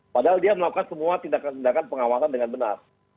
padahal dia melakukan semua tindakan tindakan pengawasan dengan benar